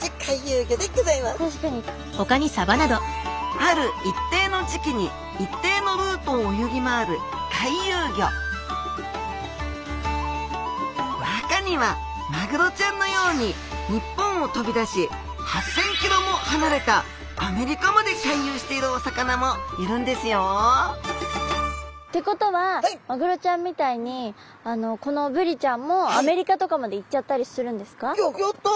ある一定の時期に一定のルートを泳ぎ回る回遊魚中にはマグロちゃんのように日本を飛び出し８０００キロも離れたアメリカまで回遊しているお魚もいるんですよってことはマグロちゃんみたいにこのブリちゃんもギョギョッと！